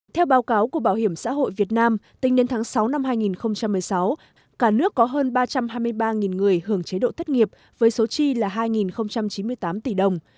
theo báo cáo của bảo hiểm xã hội việt nam tính đến tháng sáu năm hai nghìn một mươi sáu cả nước có hơn ba trăm hai mươi ba người hưởng chế độ thất nghiệp với số chi là hai chín mươi tám tỷ đồng